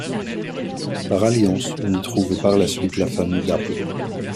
Par alliance, on y trouve par la suite la famille Dapples.